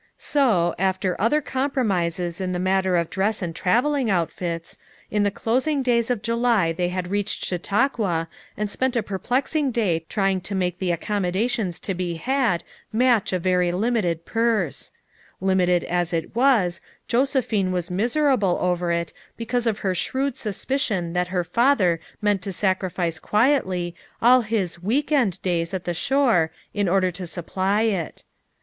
So, after other compromises in the matter of dress and traveling outfits, in the closing days of July they had reached Chautauqua and spent a per plexing day trying to make the accommodations to be had match a very limited purse; limited as it was, Josephine was miserable over it be cause of her shrewd suspicion that her father meant to sacrifice quietly all his "week end" 104 FOUR MOTHERS AT CHAUTAUQUA days at the shore in order to supply it.